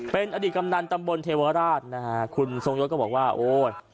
เป็นอดีตกำนันตำบลเทวราชนะฮะคุณทรงยศก็บอกว่าโอ้ย